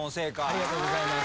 ありがとうございます。